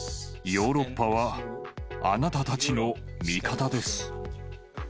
ヨーロッパはあなたたちの味方です。